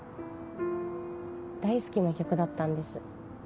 大好きな曲だったんです。